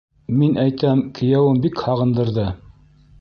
Мин әйтәм, кейәүем бик һағындырҙы...